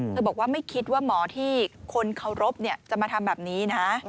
บอกว่าไม่คิดว่าหมอที่คนเคารพจะมาทำแบบนี้นะ